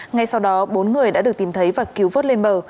ngay sau đó bốn người đã được tìm thấy và cứu vớt lên bờ